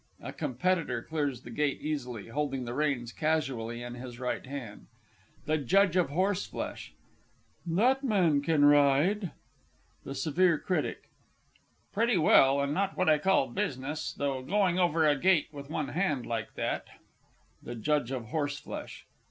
[A Competitor clears the gate easily, holding the reins casually in his right hand. THE J. OF H. That man can ride. THE SEVERE CRITIC. Pretty well not what I call business, though going over a gate with one hand, like that. THE J. OF H.